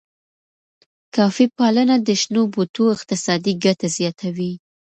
کافی پالنه د شنو بوټو اقتصادي ګټه زیاتوي.